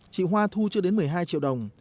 chị hoa thu chưa đến một mươi hai triệu đồng